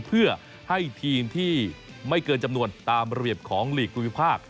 เพื่อให้ทีมที่ไม่เกินจำนวนตามระเบียบของหลีกภูมิภาค